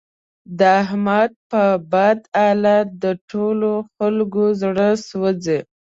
د احمد په بد حالت د ټول خکلو زړه سوځي.